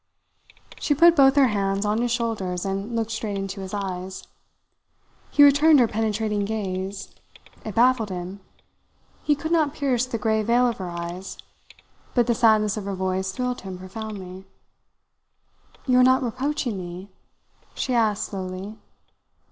She put both her hands on his shoulders and looked straight into his eyes. He returned her penetrating gaze. It baffled him. He could not pierce the grey veil of her eyes; but the sadness of her voice thrilled him profoundly. "You are not reproaching me?" she asked slowly.